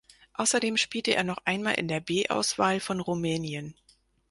Außerdem spielte er noch einmal in der B-Auswahl von Rumänien.